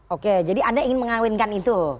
oke jadi anda ingin mengawinkan itu